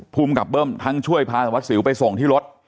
ภุมกบเบิ้มทั้งช่วยพาทวัดศิวไปส่งที่รถ